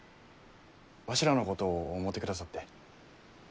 わしらのことを思うてくださって。